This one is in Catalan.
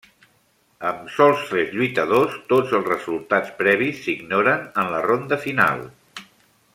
Amb sols tres lluitadors, tots els resultats previs s'ignoren en la ronda final.